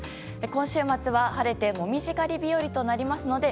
今週末は晴れて紅葉狩り日和となりますので